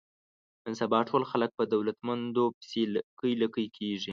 نن سبا ټول خلک په دولتمندو پسې لکۍ لکۍ کېږي.